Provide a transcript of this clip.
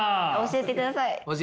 教えてください。